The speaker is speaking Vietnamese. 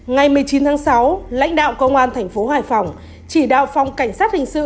ngày một mươi chín tháng sáu lãnh đạo công an tp hài phòng chỉ đạo phòng cảnh sát hình sự